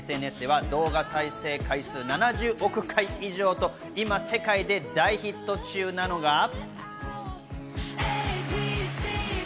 ＳＮＳでは動画再生回数７０億回以上と今世界で大ヒット中なのが。